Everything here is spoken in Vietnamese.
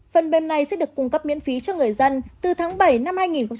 phân mêm này sẽ được cung cấp miễn phí cho người dân từ tháng bảy năm hai nghìn bốn